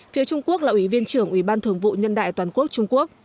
phía trung quốc là ủy viên trưởng ủy ban thường vụ nhân đại toàn quốc trung quốc